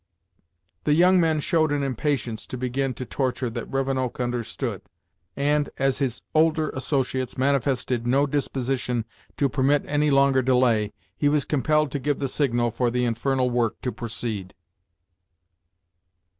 The young men showed an impatience to begin to torture that Rivenoak understood, and, as his older associates manifested no disposition to permit any longer delay, he was compelled to give the signal for the infernal work to proceed.